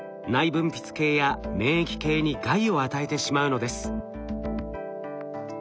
分泌系や免疫系に害を与えてしまうのです。